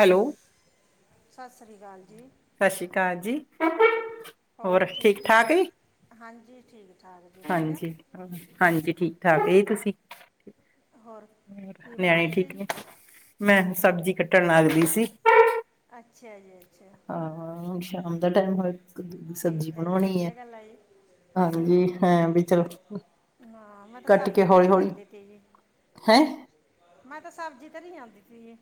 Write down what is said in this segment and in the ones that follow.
Hello ਸਤਿ ਸ੍ਰੀ ਅਕਾਲ ਜੀ। ਸਤਿ ਸ਼੍ਰੀ ਅਕਾਲ ਜੀ। ਹੋਰ ਠੀਕ ਠਾਕ ਹਾਂਜੀ ਠੀਕ ਠਾਕ ਜੀ ਵਧੀਆ ਹਾਂਜੀ, ਹਾਂਜੀ, ਠੀਕ ਠਾਕ ਏ ਤੁਸੀਂ! ਹੋਰ। ਕੀ ਬਣਾ ਨਿਆਣੇ ਰਹੇ ਤੇ ਠੀਕ ਜੀ ਨੇ, ਮੈਂ ਸਬਜ਼ੀ ਕੱਟਣ ਲੱਗਦੀ ਸੀ। ਅੱਛਾ ਜੀ। ਅੱਛਾ ਹਾਂ ਹੁਣ ਸ਼ਾਮ ਦਾ ਟਾਈਮ ਹੋ। ਕਦੂ ਦੀ ਸਬਜ਼ੀ ਠੀਕ ਜੀ ਬਣਾਉਣੀ ਹੈ। ਵਧੀਆ ਗੱਲ ਜੀ ਹਾਂਜੀ, ਹੈਂ ਬੀ ਚਲੋ, ਹਾਂ, ਮੈਂ ਤਾਂ ਕੱਟ ਕੇ ਸਬਜ਼ੀ ਹੌਲੀ ਧਰੀ ਹੌਲੀ ਜਾਂਦੀ ਤੇ ਹੀ ਹੈਂ! ਮੈਂ ਤਾਂ ਸਬਜ਼ੀ ਧਰੀ ਜਾਂਦੀ ਸੀਗੀ।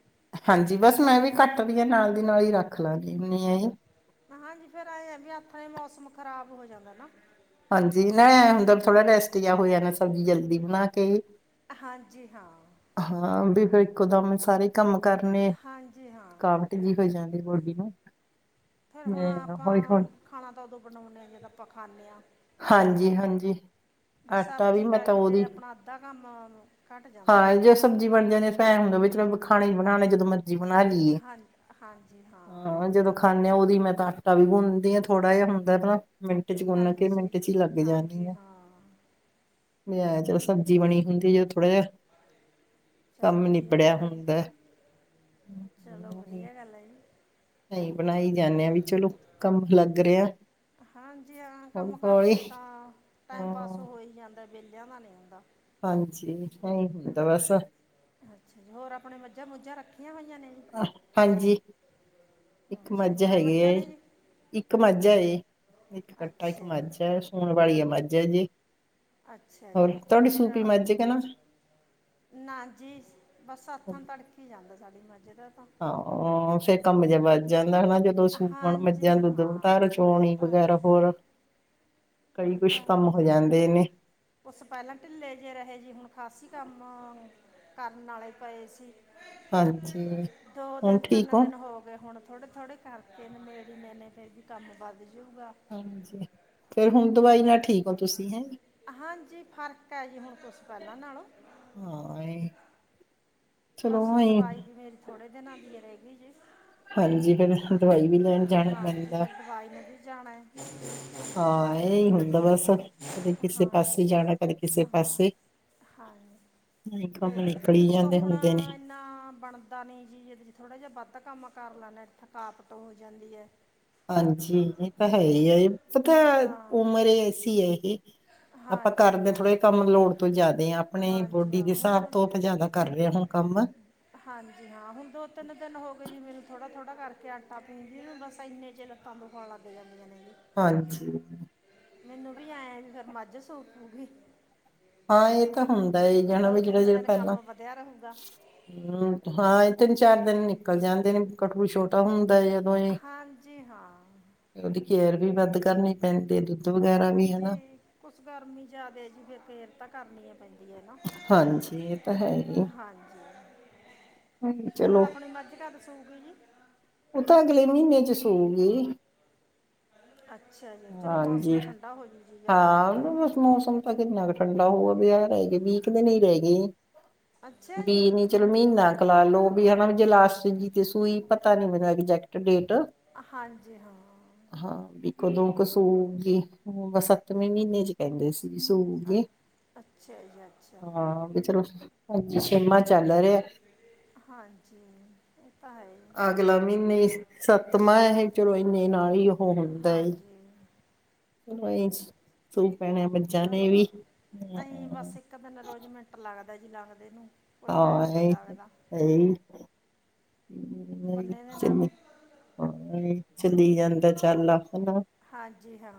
ਹਾਂਜੀ, ਬੱਸ ਮੈਂ ਵੀ ਕੱਟਦੀ ਹਾਂ ਨਾਲ ਦੀ ਨਾਲ ਹੀ ਰੱਖ ਲਾਂਗੀ ਨੀ ਏ। ਹਾਂਜੀ, ਫੇਰ ਐ ਆ ਵੀ ਆਥਨੇ ਮੌਸਮ ਖ਼ਰਾਬ ਹੋ ਜਾਂਦਾ ਨਾ। ਹਾਂਜੀ, ਨੈ ਹੁੰਦਾ ਥੋੜ੍ਹਾ ਰੈਸਟ ਜਿਹਾ ਹੋ ਜਾਂਦਾ, ਸਬਜ਼ੀ ਜਲਦੀ ਬਣਾ ਕੇ। ਹਾਂਜੀ, ਹਾਂ। ਹਾਂ। ਵੀ ਫਿਰ ਇੱਕੋ ਦਮ ਸਾਰੇ ਕੰਮ ਕਰਨੇ ਹਾਂਜੀ ਹਾਂ ਕੰਮ। ਟੀਲੀ ਹੋਈ ਜਾਂਦੀ, ਬੋਡੀ ਨੂੰ ਫਿਰ ਹੁਣ ਮੈਂ ਆਪਾਂ ਹੌਲੀ ਹੌਲੀ ਖਾਣਾ ਤਾਂ ਉਦੋਂ ਬਣਾਉਂਦੇ ਹਾਂ, ਜਦ ਆਪਾਂ ਖਾਂਦੇ ਹਾਂ। ਹਾਂਜੀ, ਹਾਂਜੀ ਆਟਾ ਵੀ ਮੈਂ ਤਾਂ ਉਹਦੀ ਏਡਾ ਕੰਮ ਹੈ। ੳਹਨੂ ਘੱਟ ਜਾਂਦਾ ਹਾਂ, ਜੇ ਸਬਜ਼ੀ ਬਣ ਜਾਂਦੀ। ਪੈਨ ਵਿਚ ਹੁੰਦਾ ਵੀ ਚਲੋ ਖਾਣਾ ਹੀ ਬਣਾਣੇ ਜਦੋਂ ਮਰ ਬਣਾ ਲਈ ਏ। ਹਾਂ ਹਾਂਜੀ ਹਾਂ ਜਦੋਂ, ਖਾਂਨੇ ਆ। ਉਦੀ ਮੈਂ ਤਾਂ ਆਟਾ ਵੀ ਗੁੰਣਦੀ ਹਾਂ, ਥੋੜਾ ਜਿਹਾ ਹੁੰਦਾ ਹੈ। ਮਿੰਟ ਚ ਗੁੰਨ ਕੇ, ਹਾਂਜੀ ਮਿੰਟ ਚ ਹੀ ਲੱਗ ਜਾਣੀ ਹਾਂਜੀ ਆ। ਹਾਂ ਨਿਆ ਚਲੋ ਸਬਜ਼ੀ ਬਣੀ ਹੁੰਦੀ ਹੈ, ਜੇ ਥੋੜਾ ਜਿਹਾ, ਚਲੋ ਕੰਮ ਵਧੀਆ ਨਿਬੜਿਆ ਗੱਲ ਹੈ ਹੁੰਦਾ। ਜੀ ਚਲੋ ਵਧੀਆ ਗੱਲ ਹੈ ਜੀ ਅਸੀਂ ਬਣਾਈ ਜਾਂਦੇ ਆ, ਵੀ ਚਲੋ ਕੰਮ ਲੱਗ ਰਿਹਾ। ਹਾਂਜੀ ਹਾਂ। ਹੌਲੀ ਕੰਮ ਹੌਲੀ ਕਰਦੇ ਤਾਂ ਟਾਈਮ ਹਾਂ ਪਾਸ ਹੋ ਹੀ ਜਾਂਦਾ, ਵਿਹਲਿਆਂ ਦਾ ਨਹੀਂ ਹੁੰਦਾ। ਹਾਂਜੀ ਨਹੀਂ ਹੁਣ ਤਾਂ ਬੱਸ। ਅੱਛਾ, ਜੀ ਹੋਰ ਆਪਣੇ ਮੱਝਾਂ ਮੁਝਾਂ ਰੱਖੀਆਂ ਹੋਈਆਂ ਨੇ। ਹਾਂਜੀ, ਇੱਕ ਅੱਛਾ ਮੱਝ ਕੈ ਹੈਗੀ ਮੱਝਾਂ ਏ। ਨੇ ਜੀ ਇੱਕ ਮੱਝ ਹੈ, ਜੀ ਇੱਕ ਕੱਟਾ, ਇੱਕ ਅੱਛਾ ਮੱਝ ਜੀ ਹੈ, ਸੂਨ ਵਾਲੀ ਮੱਝ ਹੈ ਜੀ। ਅੱਛਾ ਹੋਰ, ਜੀ ਅੱਛਾ ਤੁਹਾਡੀ ਫਿਰ ਸੂਪੀ ਮੱਝ ਕੇ ਨਾ। ਨਾ ਜੀ, ਬੱਸ ਹੱਥੋਂ ਤੜਕ ਹੀ ਜਾਂਦਾ ਸਾਡੀ ਮੱਝ ਦਾ ਤਾਂ ਹ ਹੋ ਫੇ ਕੰਮ ਜੇਹਾ ਵਦ ਜਾਂਦਾ ਨਾ ਜੇ। ਦੋ ਸੂਪਣ ਹਾਂਜੀ ਮੱਜਾਂ ਦੁੱਧ, ਘਰ ਹਾਂ ਇਹ ਚੋਣੀ ਤਾਂ ਹੈ ਵਗੈਰਾ ਹੋਰ, ਕਈ ਇਹ ਕੁਛ ਤਾਂ ਕੰਮ, ਹੈ ਹੋ ਜਾਂਦੇ ਨੇ। ਉਸ ਪਹਿਲਾਂ ਢਿੱਲੇ ਜਿਹੇ ਰਹੇ ਜੀ। ਹੁਣ ਖਾਸੀ ਕੰਮ ਕਰਨ ਵਾਲੇ ਪਏ ਸੀ। ਹਾਂਜੀ ਦੋ ਹੁਣ ਦਿਨ, ਠੀਕ ਤਿੰਨ ਦਿਨ ਹੋ ਗਏ। ਹੁਣ ਥੋੜੇ- ਥੋੜੇ, ਕਰਕੇ ਮੇਰੀ ਮੈਨੇ ਫਿਰ ਵੀ ਕੰਮ ਵੱਧ ਜੂਗਾ। ਹਾਂਜੀ, ਫਿਰ ਹੁਣ ਦਵਾਈ ਨਾਲ ਠੀਕ ਹੋ। ਤੁਸੀਂ ਹੈਂ! ਹਾਂਜੀ, ਫ਼ਰਕ ਹੈ ਜੀ ਹੁਣ ਕੁਝ ਪਹਿਲਾਂ ਨਾਲੋਂ। ਹਾਂ ਇਹ। ਚਲੋ ਬੱਸ, ਆਈ ਦਵਾਈ ਵੀ ਮੇਰੀ ਥੋੜ੍ਹੇ ਦਿਨਾਂ ਦੀ ਰਹ ਗਈ ਜੇ। ਹਾਂਜੀ, ਫੇਰ ਦਵਾਈ ਵੀ ਲੈਣ ਜਾਣਾ ਹਾਂਜੀ ਪੈਂਦਾ। ਫਿਰ ਦਵਾਈ ਨੇ ਵੀ ਜਾਣਾ ਹੈ ਹਾਂ ਇਹੀ ਹ ਹਾਂ, ਬਸ। [inaudible] ਕਿਸੇ ਹਾਂਜੀ, ਪਾਸੇ ਜਾਣਾ ਕਦੇ ਕਿਸੇ ਹਾਂ! ਪਾਸੇ ਹਾਂਜੀ, ਤੇ ਕੰਮ ਨਿਕਲ ਹੀ ਇੱਕ ਜਾਂਦੇ ਹੁਣ ਹੁੰਦੇ ਨੇ। ਨਾ ਬਣਦਾ ਨੀ ਜੀ ਜਿਸ ਦਿਨ ਥੋੜ੍ਹਾ ਜਈ ਵੱਧ ਕੰਮ ਕਰ ਲੈਂਦੇ ਆ ਤਾਂ ਥਕਾਵਟ ਹੋ ਜਾਂਦੀ ਐ। ਹਾਂਜੀ, ਏ ਤਾਂ ਹੈ ਈ ਏ, ਪਤਾ ਹਾਂ ਉਮਰ ਈ ਐਸੀ ਏਹ। ਆਪਾਂ ਹਾਂਜੀ ਕਰਦੇ ਹਾਂ ਥੋੜ੍ਹਾ ਜਏਆ ਕੰਮ ਲੋੜ ਤੋਂ ਜਾਦੇ ਆ ਆਪਣੇ ਹਾਂਜੀ ਬਾਡੀ ਹਾਂ ਦੀ ਹੁਣ ਸਾਬ ਤੋ ਅਸੀਂ ਜਾਦਾ ਕਰ ਰਹੇ ਆ ਹੁਣ ਕੰਮ ਹਾਂਜੀ ਹਾਂ ਹੁਣ ਦੋ-ਤਿੰਨ ਦਿਨ ਹੋ ਗਏ ਜੀ ਮੈਨੂੰ ਥੋੜ੍ਹਾ-ਥੋੜ੍ਹਾ ਕਰਕੇ ਆਟਾ ਪੀਂਦੀ ਨੂੰ ਬਸ ਏਨੇ ਚਿਰ ਸਾਨੂੰ ਬਾਲਾ ਤੇ ਲੱਗ ਜਾਂਦੀਆਂ ਜੀ। ਹਾਂਜੀ। ਮੈਨੂੰ ਵੀ ਐ ਫੇਰ ਮੱਝ ਸੂ ਪੂਗੀ। ਹਾਂ, ਏਹ ਤਾਂ ਹੁੰਦਾ ਈ ਆ ਜਾਣਾ ਦੋ ਵੀ ਤਿੰਨ ਜੇੜਾ-ਜੇੜਾ ਦਿਨ ਪੈਲਾਂ ਕੰਮ ਵਧਿਆ ਰਹੂਗਾ ਹਾਂ ਏ ਤਿੰਨ-ਚਾਰ ਦਿਨ ਨਿਕਲ ਜਾਂਦੇ ਨੇ ਕੱਠੂ ਛੋਟਾ ਹੁੰਦਾ ਆ। ਹਾਂਜੀ ਹਾਂ। ਓਦੀ ਕੇਅਰ ਵੀ ਵੱਧ ਕਰਨੀ ਪੈਂਦੀ ਐ ਦੁੱਧ ਵਗੈਰਾ ਵੀ ਹੈਨਾ। ਕੁਝ ਗਰਮੀ ਜਾਦਾ ਸੀ ਤੇ ਫੇਰ ਤਾਂ ਕਰਨੀ ਏ ਪੈਂਦੀ ਏ ਨਾ, ਹਾਂਜੀ ਇਹ ਤਾਂ ਹੈ ਹੀ ਹਾਂਜੀ। ਹਮ, ਹੋਰ ਚਲੋ ਆਪਣੀ ਮਰਜ਼ੀ ਤੂੰ ਦਾ ਸੂਟ ਲੀ। ਓ ਤਾਂ ਅਗਲੇ ਮੀਨੇ ਚ ਸੂਗੀ। ਅੱਛਾ ਜੀ, ਚਲੋ ਮੌਸਮ ਹਾਂਜੀ ਠੰਢਾ ਹੋ ਜਾਊ ਜੀ ਜਾਦਾ ਨੀ ਤਾਂ ਮੌਸਮ ਤਾਂ ਕਿੰਨਾ ਕੁ ਠੰਢਾ ਹੋਊਗਾ ਵਿਆਹ ਰੈ ਗਏ ਵੀ ਕ ਦਿਨ ਈ ਰੈ ਗਏ ਅੱਛਾ ਜੀ ਵੀਰ ਨੀ ਚਲੋ ਮੀਨਾ ਕ ਲਾਲੋ ਵੀ ਹੈਨਾ ਜੇ ਲਾਸਟ ਜੀ ਤੇ ਸੂਈ ਪਤਾ ਨੀ, ਮੈਨੂੰ ਹੈਗੀ ਐਗਜ਼ੈਕਟ ਡੇਟ ਹਾਂਜੀ, ਹਾਂ। ਹਾਂ ਵੀ ਕਦੋਂ ਕੁ ਸੂਗੀ, ਸੱਤਵੇਂ ਮੀਨੇ ਚ ਕੈਂਦੇ ਸੀ। ਸੂਗੀ ਅ- ਅੱਛਾ ਜੀ ਅੱਛਾ ਹਾਂ ਬਈ ਚਲੋ ਹਾਂਜੀ, ਛੇਮਾਂ ਚੱਲ ਰੈਯਾ। ਹਾਂਜੀ, ਓਹ ਤਾਂ ਹੈ ਈ ਏ। ਅਗਲਾ ਮਹੀਨੇ ਸੱਤਮਾ ਐ, ਚਲੋ ਏਨੇ ਨਾਲ ਈ ਓ ਹੁੰਦਾ ਏ। ਹਾਂਜੀ ਚਲੋ ਏ ਈ ਸੂ ਪੈਣੇ ਬੱਚਿਆਂ ਨੇ ਵੀ ਤਾਂ ਫਿਰ ਰੋਜ਼ ਮਿੰਟ ਲੱਗਦਾ ਜੀ ਲਾਂਗਦੇ ਨੂੰ। ਕੋਈ ਹਾਂ ਟਾਈਮ ਨਹੀਂ ਏ ਈ, ਲੱਗਦਾ ਹੈ ਈ, ਏ ਈ, ਬੰਨੇ ਦੇ ਨਾਂ ਸਿੰਮੀ ਨੂੰ ਹਾਂ ਏ ਈ, ਚਲੀ ਜਾਂਦਾ ਚੱਲ ਆ ਹੈਨਾ ਹਾਂਜੀ ਹਾਂ।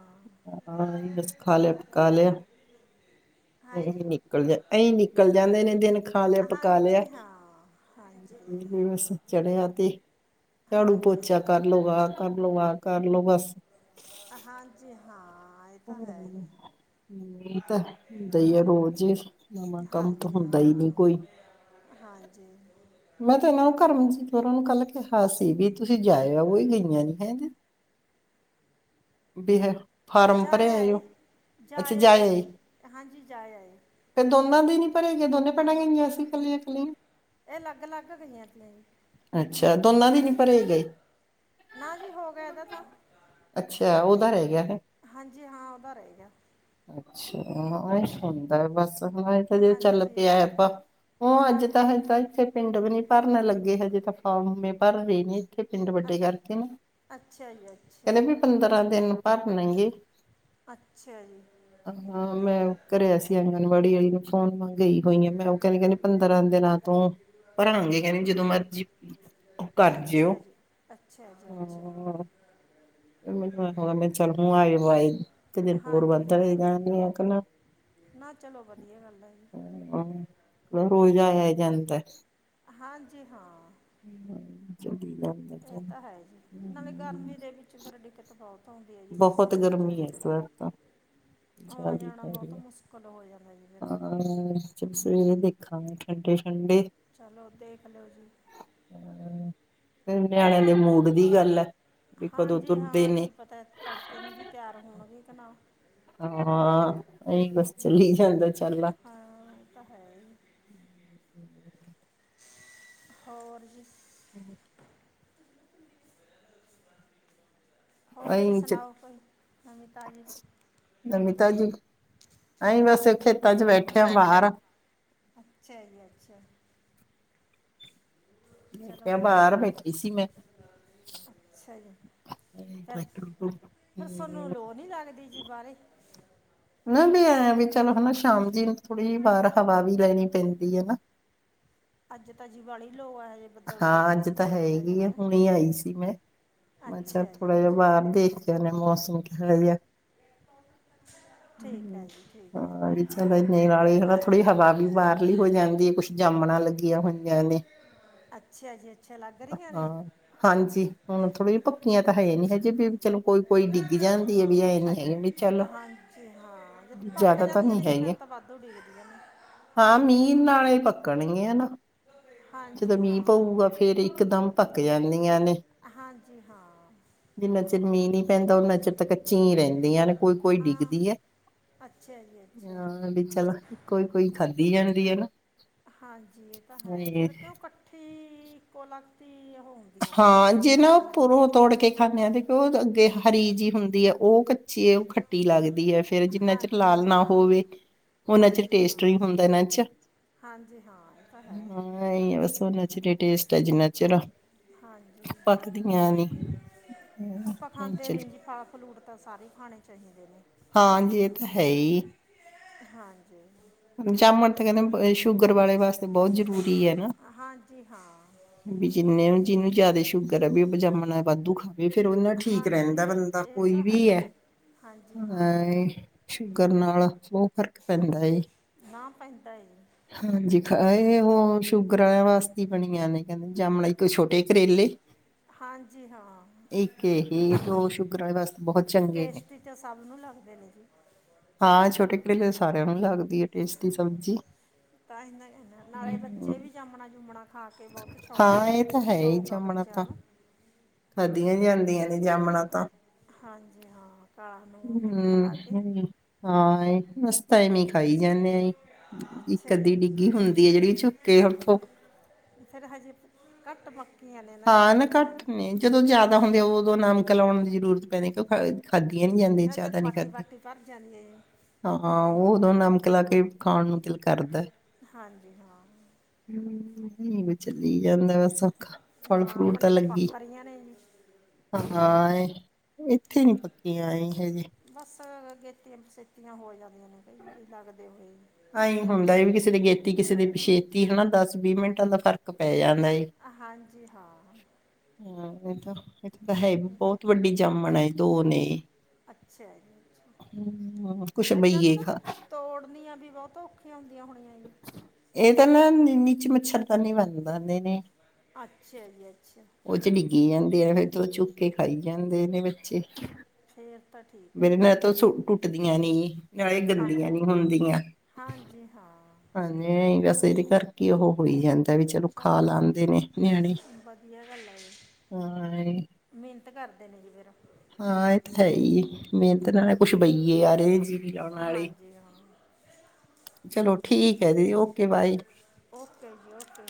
ਹਾਂ ਏ ਈ ਬਸ ਖਾ ਲਯਾ ਪਕਾ ਲਯਾ। ਏ ਹੈ ਜੀ ਈ ਨਿਕਲ ਜਾ ਏ ਈ ਨਿਕਲ ਜਾਂਦੇ ਨੇ ਦਿਨ ਖਾ ਲਯਾ ਪਕਾ ਲਯਾ, ਹਾਂਜੀ ਹਾਂ ਹਾਂਜੀ ਏ ਈ ਬਸ ਚੜਿਆ ਤੇ ਝਾੜੂ ਹਾਂਜੀ ਪੋਚਾ ਹਾਂ ਕਰ ਲੋ ਆ ਕਰਲੋ ਆ ਕਰਲੋ ਬਸ ਹਾਂਜੀ ਹਾਂ ਏਹ ਤਾਂ ਹੈ ਈ ਐ। ਮੀਤ ਦੇਈਏ ਰੋਜ਼ ਨਵਾਂ ਕੰਮ ਤਾਂ ਹਾਂਜੀ ਹੁੰਦਾ ਈ ਹਾਂ ਨੀ ਕੋਈ ਹਾਂਜੀ। ਮੈਂ ਤਾਂ ਏਨਾਂ ਨੂੰ ਕਰਮਜੀਤ ਹੋਰਾਂ ਨੂੰ ਕੱਲ ਕੇਹਾ ਸੀ ਵੀ ਤੁਸੀਂ ਜਾ ਆਓ ਏਹ ਗਈਆਂ ਨੀ ਹੈ ਦੀ ਬੇ ਹੈ ਫਾਰਮ ਜਾ ਭਰਿਆ ਏ ਆਏ, ਉਹ ਜਾ ਅੱਛਾ ਆਏ ਜੀ, ਹਾਂਜੀ ਜਾ ਆਏ। ਤੇ ਦੋਨਾਂ ਦੇ ਨੀ ਪਰੇ ਗਏ ਦੋਨੇ ਪੈਣਾਂ ਗਈਆਂ ਸੀ ਇਕੱਲੀਆਂ-ਇਕਲੀਆਂ? ਏ ਲੱਗ-ਲੱਗ ਗਈਆਂ ਸੀ ਜੀ। ਅੱਛਾ ਦੋਨਾਂ ਦੀ ਨੀ ਪਰੇ ਗਏ। ਨਾ ਜੀ ਹੋ ਗਿਆ ਇਹਦਾ ਤਾਂ ਅੱਛਾ ਓਦਾ ਰੈਅ ਗਯਾ ਹੈ। ਹਾਂਜੀ ਹਾਂ ਓ ਰੈਅ ਗਯਾ। ਅੱਛਾ, ਇੰਜ ਹੁੰਦਾ ਏ ਬਸ। ਇਹ ਤਾਂ ਜ ਚੱਲ ਹਾਂਜੀ ਪਿਆ ਆਪਾਂ ਉ ਅੱਜ ਤਕ ਹਾਂਜੀ ਅਜੇ ਤਕ। ਪਿੰਡ ਵੀ ਨੀ ਭਰਨ ਲੱਗੇ ਹਜੇ ਤਾਂ ਫਾਰਮ ਮੈ ਭਰ ਰੀ ਨੀ। ਵੇ ਪਿੰਡ ਅ ਵੱਡੇ ਕਰਕੇ ਨਾ, ਅੱਛਾ ਜੀ ਅੱਛਾ ਕਹਿੰਦੇ ਵੀ ਪੰਦਰਾਂ ਦਿਨ ਭਰਨ ਗੇ। ਅੱਛਾ ਜੀ। ਹਾਂ, ਮੈਂ ਕਰਿਆ ਸੀ ਆਂਗਨਵਾੜੀ ਵਾਲੀ ਨੂੰ। ਫੋਮ ਮੰਗਈ ਹੋਈ ਆ ਮੈਂ ਉਹ ਕਹਿੰਦੀ-ਕਹਿੰਦੀ ਪੰਦਰਾਂ ਦਿਨਾਂ ਤੋਂ ਭਰਣਗੇ ਕਹਿੰਦੀ ਜਦੋਂ ਮਰਜ਼ੀ ਅੱਛਾ ਜੀ-ਅੱਛਾ ਜੀ, ਅੱਛਾ। ਹਾਂ ਮੈਨੂੰ ਚੱਲ ਹੁ ਆਏ-ਆਏ, ਇੱਕ ਦਿਨ ਹੋਰ ਹਾਂਜੀ ਵੱਧ ਹਾਂ ਜਾਂਦੇ ਆ। ਨਾ ਚਲੋ, ਵਧੀਆ ਗੱਲ ਹੈ ਜੀ। ਰੋਜ਼ ਆਇਆ ਜਾਂਦਾ। ਹਾਂਜੀ ਹਾਂ। ਹੂੰ, ਜੋ [unintelligible] ਇਹ ਤਾਂ ਹੈ ਜੀ, ਨਾਲੇ ਗਰਮੀ ਦੇ ਵਿੱਚ ਫਿਰ ਦਿੱਕਤ ਬਹੁਤ ਉਂਦੀ ਹੈ ਜੀ, ਬਹੁਤ ਬੱਸਾਂ ਵਿੱਚ। ਗਰਮੀ ਹੈ ਇਸ ਵਾਰ ਤਾਂ ਜ਼ਿਆਦਾ ਆਉਣਾ-ਜਾਣਾ ਪੈ ਬਹੁਤ ਰਹੀ ਹੈ ਮੁਸ਼ਕਿਲ ਹੋ ਜਾਂਦਾ ਜੀ ਮੇਰ। ਹਾਂ, ਚਲ ਸਵੇਰੇ ਦੇਖਾਂਗੇ ਠੰਡੇ-ਠੰਡੇ। ਚਲੋ, ਦੇਖ ਲੋਓ ਜੀ। ਹੂੰ, ਫੇਰ ਨਿਆਣਿਆਂ ਦੇ ਮੂਡ ਦੀ ਗੱਲ ਹੈ। ਵੀ ਕਦੋਂ ਤੁਰਦੇ ਹਾਂਜੀ-ਹਾਂ, ਨੇ ਕੀ ਪਤਾ ਤੜਕੇ ਨੂੰ ਵੀ ਤਿਆਰ ਹੋਣਗੇ ਕਿ ਨਾਂ? ਹਾਂ, ਅਹੀ ਬਸ, ਚੱਲੀ ਜਾਂਦਾ ਚਾਲਾ। ਹਾਂ, ਉਹ ਤਾ ਹੈਹੀ। ਹੋਰ ਜੀ? ਹੂੰ [unintelligible] ਹੋਰ ਅਹੀਂ ਜੀ, ਸੁਣਾਓ ਕੋਈ ਨਵੀ-ਤਾਜੀ ਜੀ। ਨਵੀ-ਤਾਜੀ। ਨਹੀਂ ਵੈਸੇ ਇਹਥੇ 'ਚ ਵੇਖਿਆ, ਅੱਛਾ ਜੀ ਅੱਛਾ। ਚਲੋ ਦੇਖਿਆ, ਬਾਹਰ ਬੈਠੀ ਸੀ ਮੈਂ। ਅੱਛਾ ਜੀ। ਵਾਹਿਗੁਰੂ [unintelligible] ਨੀ ਲੱਗਦੀ ਜੀ, ਬਾਹਰੇ? ਨਾ ਵੀ ਐਂ ਵੀ ਚਲ ਹਨਾ ਸ਼ਾਮ ਜ ਥੋੜ੍ਹੀ ਜਿਹੀ ਬਾਹਾਰ ਹਵਾ ਵੀ ਲੈਣੀ ਪੈਂਦੀ ਹੈ ਨਾ। ਅੱਜ ਤਾਂ ਜੀ ਬੜੀ ਲੋ ਹੈੋਜੇ। ਹਾਂ, ਅੱਜ ਤਾਂ ਹੈਗੀ ਆ, ਹੁਣੇ ਆਈ ਸੀ ਮੈਂ, ਅਛਾ ਅੱਛਾ ਜੀ ਥੋੜਾ ਜਿਹਾ ਅੱਛਾ ਬਾਹਰ ਦੇ ਤੇ ਮੌਸਮ ਕਿਹੋ ਜਾ, ਠੀਕ ਹੈ ਜੀ ਠੀਕ ਹੈ ਹਾਂ ਇਹ ਵੀ ਚਲੋੇ, ਨਾਲੇ ਹਵਾ ਥੋੜ੍ਹੀ ਹਵਾ ਵੀ ਬਾਹਰਲੀ ਹੋ ਜਾਂਦੀ ਹੈ, ਕੁੱਝ ਜੰਮਣਾ ਲੱਗੀਆਂ ਹੋਈਆਂ ਨੇ। ਅੱਛਾ ਜੀ, ਅ ਹਾਂ ਹਾਂਜੀ, ਹੁਣ ਥੋੜੀਆਂ ਜਿਹੀ ਪੱਕੀਆਂ ਤਾਂ ਹੈ ਨੀ ਹਜੇ ਵੀ ਚਲੋ, ਕੋਈ-ਕੋਈ ਡਿੱਗੀ ਜਾਂਦੀ ਹੈ ਵੀ, ਐਨੀ ਹੈਗੀ ਅੱਛ- ਵੀ ਚੱਲ ਹਾਂਜੀ ਹਾਂ ਜਦੋਂ ਪੱਕ ਜਿਆਦਾ ਤਾਂ ਜਾਂਦੀਆਂ ਨਹੀਂ ਨੇ ਜੀ ਫਿਰ ਹੈਗੇ। ਤਾਂ ਵਾਧੂ ਡਿੱਗਦੀਆਂ ਨੇ। ਹਾਂ, ਮੀਂਹ ਨਾਲ ਹੀ ਪੱਕਣਗੀਆਂ ਨਾ। ਜਦੋਂ ਹਾਂਜੀ ਮੀਂਹ ਪਊਗਾ ਹਾਂ ਫੇਰ, ਇਕ ਦਮ ਪੱਕ ਜਾਂਦੀਆਂ ਨੇ। ਹਾਂਜੀ ਹਾਂ ਜਿੰਨਾ ਚਿਰ ਮੀਂਹ ਨਹੀਂ ਪੈਂਦਾ, ਉਹਨਾ ਚਿਰ ਤਾਂ ਕੱਚੀਂ ਰਹਿੰਦੀਆਂ ਨੇ ਕੋਈ-ਕੋਈ ਹਾਂ ਡਿੱਗਦੀਆਂ। ਅੱਛਾ ਜੀ ਅੱਛਾ ਹਾਂ, ਵੀ ਚੱਲ ਕੋਈ-ਕੋਈ ਖਾਧੀ ਜਾਂਦੀ ਐ ਨਾ? ਹਾਂਜੀ! ਇਹ ਤਾਂ ਹੈ ਫ਼ੇਰ, ਕਿਉਂ ਕੱਠੀ ਇੱਕੋ ਲਖ਼ਤੀ ਓਹ ਹੁ ਹਾਂ, ਜੇ ਨਾ ਉਪਰੋਂ ਤੋੜ ਕੇ ਖਾਂਨੇ ਆਂ ਤੇ ਉਹ ਅੱਗੇ ਹਰੀ ਜੀ ਹੁੰਦੀ ਆ ਓ ਕੱ ਚੀ ਓ ਖੱਟੀ ਲੱਗਦੀ ਐ ਫ਼ੇਰ ਜਿੰਨਾ ਚਿਰ ਹਾਂਜੀ ਲਾਲ ਨਾ ਹਾਂ ਹੋਵੇ ਉਹਨਾਂ ਚਿਰ ਹਾਂਜੀ ਹਾਂ ਟੇਸਟ ਵੀ ਹੁੰਦਾ ਇਹਨਾਂ 'ਚ, ਹਾਂਜੀ ਹਾਂ ਇਹ ਤਾਂ ਹੈ ਹੂੰ! ਹਾਂ ਐਈਂ ਆ ਬਸ ਓਹਨਾਂ ਚਿਰ ਟੇਸਟ ਆ ਜਿਹਨਾਂ ਚਿਰ ਹਾਂਜ ਪੱਕਦੀਆਂ ਨੇ, ਆਪਾਂ ਹੂੰ ਖਾਂਦੇ ਚੱਲ। ਨਹੀਂ ਜੀ ਫਲ ਫਲੂਟ ਤਾਂ ਸਾਰੇ ਖਾਣੇ ਚਹੀਂਦੇ ਨੇ। ਹਾਂਯੀ, ਇਹ ਤਾਂ ਹੈ ਈ। ਹਾਂਜੀ! ਜਾਮਣ ਤਾਂ ਕਹਿੰਦੇ ਬ-ਸ਼ੂਗਰ ਵਾਲੇ ਵਾਸਤੇ ਬਹੁਤ ਜ਼ਰੂਰੀ ਐ ਨਾ। ਹਾਂਜੀ ਹਾਂ ਵੀ ਜਿੰਨੇ ਜਿਹਨੂੰ ਜਾਦੇ ਸ਼ੂਗਰ ਐ ਬੀ ਜਾਮਣਾਂ ਬਾਧੂ ਖਾਵ ਵੀ ਫ਼ੇਰ ਬੰਦਾ ਠੀਕ ਹਾਂਜੀ ਰਹਿੰਦਾ ਬੰਦਾ, ਇਹ ਕੋਈ ਤਾਂ ਹੈ ਵੀ ਐ। ਜੀ ਹਾਂਜੀ ਹਾਂ ਆਏ! ਸ਼ੂਗਰ ਨਾਲ਼ ਬਹੁਤ ਫ਼ਰਕ ਪੈਂਦਾ ਏ। ਬਾਂ ਪੈਂਦਾ ਏ। ਹਾਂਜੀ! ਖਾਏਏ ਓ ਸ਼ੂਗਰਾਂ ਵਾਸਤੀ ਬਣੀਆਂ ਨੇ ਕਹਿੰਦੇ ਜਾਮਣਾਂ, ਇੱਕ ਛੋਟੇ ਕਰੇਲੇ। [unintelligible] ਹਾਂਜੀ ਹਾਂ! ਇੱਕ ਇਹ ਓ-ਸ਼ੂਗਰ ਆਲੇ ਵਾਸਤੇ ਬਹੁਤ ਚੰਗ ਟੇਸਟੀ ਤਾਂ ਸਭ ਨੂੰ ਲੱਗਦੇ ਨੇ ਜੀ। ਹਾਂ! ਛੋਟੇ ਕਰੇਲੇ ਸਾਰਿਆਂ ਨੂੰ ਲੱਗਦੀ ਐ ਟੇਸਟੀ ਸਬਜ਼ੀ। ਤਾਂਹੀ ਮੈਂ ਇਨਾ, ਨਾਲੇ਼ ਬੱਚੇ ਹਮ, ਵੀ ਜਾਂਮਣਾ-ਜੁਂਮਣਾ ਖਾ ਕੇ ਬਹੁਤ ਛੌਂਕ ਹਾਂ ਇਹ ਤਾਂ ਹੈ ਛੌਂਕ ਆ ਬੱਚਿਆਂ ਨੂੰ। ਖਾਦੀਆਂ ਜਾਂਦੀਆਂ ਨੇ ਜਾਮਣਾ ਤਾਂ। ਹਾਂਜੀ ਹਾਂ! ਕਾਲਾ ਨੂੰਨ ਨਮਕ ਲਾ ਹਮ ਕੇ। ਹਮ, ਹਾਂ ਏ ਅਸੀਂ ਤਾਂ ਐਵੀਂ ਖਾਈ ਜਾਂਨੇ ਆ ਜੀ। ਅੱਛਾ ਜੀ ਇੱਕ-ਅੱਧੀ ਡਿੱਗੀ ਹੁੰਦੀ ਐ ਜਿਹੜੀ ਚੁੱਕੇ ਉੱਥੋਂ ਫ਼ੇਰ ਹਜੇ ਘੱਟ ਪੱਕੀਆਂ ਨੇ ਨਾ ਜੀ ਪੱਕੀਆਂ ਨੇ। ਜਦੋਂ ਜਾਦਾ ਹੁੰਦੀਆਂ ਉਦੋਂ ਨਮਕ ਲਾਉਣ ਦੀ ਜ਼ਰੂਰਤ ਪੈਂਦੀ, ਕਿਉਂ ਖੲ ਖਾਧੀਆਂ ਨੀ ਜਾਂਦੀਆਂ ਕਿਆ ਜਦ ਜਾਦਾ ਨੀ ਬਾਟੀ ਖਾਧੇ ਬਾਟੀ ਭਰ ਜਾਂਦੀ ਹੈ ਜੀ ਹਾਂ! ਉਹ ਉਦੋਂ ਨਮਕ ਲਾ ਕੇ ਖਾਣ ਨੂੰ ਦਿਲ ਕਰਦਾ। ਹਾਂਜੀ ਹਾਂ ਹ ਜਿਵੇਂ ਚੱਲੀ ਜਾਂਦਾ ਵਾ ਸੌਖਾ। ਹਾਂ! ਆਪਣੇ ਤਾਂ ਪੱਕ ਰਈਆਂ ਨੇ ਜੀ। ਹਾਂ ਏ! ਇੱਥੇ ਨੀ ਪੱਕੀਆਂ ਹ ਹਜੇ। ਬਸ! ਗੇਤੀਆਂ-ਸੇਤੀਆਂ ਹੋ ਜਾਂਦੀਆਂ ਨੇ ਕਈ ਵਾਰੀ ਲੱਗਦੇ ਹੋਏ। ਐਈਂ ਹੁੰਦਾ ਏ ਵੀ ਕਿਸੇ ਦੇ ਗੇਤੀ ਕਿਸੇ ਦੇ ਪਿਛੇਤੀ ਹਨਾ, ਦਸ-ਵੀਹ ਮਿੰਟਾਂ ਦਾ ਫ਼ਰਕ ਪੈ ਜਾਂਦਾ ਏ? ਹਾਂਜੀ ਹਾਂ! ਹੂੰ ਇਹ ਤਾਂ ਇਹਥ ਤਾਂ ਹੈ ਵੀ ਬਹੁਤ ਵੱਡੀ ਜਾਮਣ ਏ ਦੋ ਨੇ। ਅੱਛਿਆ ਜੀ ਅੱਛਾ! ਹਮ, ਕੁਛ ਫ ਮੈਂ ਤੇ ਬਈਏ ਤਾਂ ਖਾ ਤੋੜਨੀਆਂ ਵੀ ਬਹੁਤ ਔਖ ਖੀਆਂ ਹੁੰਦੀਆਂ ਹੋਣੀਆਂ ਜੀ? ਇਹ ਤਾਂ ਨਾ ਨੀ-ਨੀਚ ਮੱਛਰਦਾਨੀ ਬੰਨ ਦੰਦੇ ਨੇ। ਅੱਛਿਆ ਜੀ ਅੱਛਿਆ! ਉਹ 'ਚ ਡਿੱਗੀ ਜਾਂਦੀਆਂ ਨੇ ਤੇ ਓ ਚੁੱਕੇ ਖਾਈ ਜਾਂਦੇ ਨੇ ਬੱਚੇ। ਫ਼ੇਰ ਤਾਂ ਠੀਕ ਆ ਜੀ। ਤੋ ਸੂ ਟੁੱਟਦੀਆਂ ਨੀ, ਨਾਲੇ ਹਾਂ ਗੰਦੀਆਂ ਨੀ ਹੁੰਦੀਆਂ ਹਾਂ ਨਈ ਬਸ ਇਹਦੇ ਕਰਕੇ ਉਹੋ ਹੋਈ ਜਾਂਦਾ। ਮੈ ਵੀ ਚਲੋ ਖਾ ਲਉਦੇ ਨੇ ਨਿਆਣੇ ਹਾਂ ਇਹ- ਮਿਨਤ ਕਰਦੇ ਨਾ ਫਿਰ ਜੀ ਓ ਹਾਂ ਇਹ ਤਾਂ ਹੈ ਈ ਏ ਮੇਨਤ ਨਾਲ ਨਾ ਕੁਛ ਬਈਏ ਆ ਰੇ ਆ ਜੀ ਯਾਨ ਆਲੇ, ਹਾਂਜੀ ਹਾਂ ਚਲੋ ਠੀਕ ਐ ਦੀਦੀ ਓਕੇ ਬਾਏ। ਓਕੇ ਜੀ ਓਕੇ।